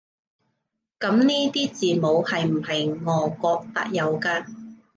噉呢啲字母係唔係俄國特有㗎？